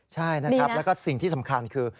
ใช่นะครับแล้วก็สิ่งที่สำคัญคือ